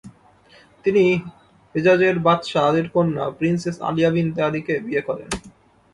তিনি হেজাজের বাদশাহ আলীর কন্যা প্রিন্সেস আলিয়া বিনতে আলিকে বিয়ে করেন।